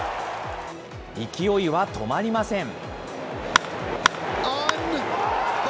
勢いは止まりません。